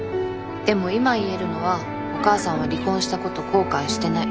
でも今言えるのはお母さんは離婚したこと後悔してない。